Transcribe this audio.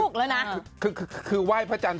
ขนมไหว้พระจันทร์